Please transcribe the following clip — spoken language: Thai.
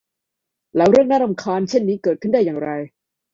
แล้วเรื่องน่ารำคาญเช่นนี้เกิดขึ้นได้อย่างไร